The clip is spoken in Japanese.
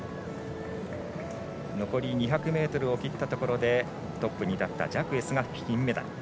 残り２００ｍを切ったところでトップに立ったジャクエスが金メダル。